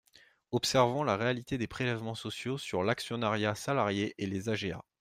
Observons la réalité des prélèvements sociaux sur l’actionnariat salarié et les AGA.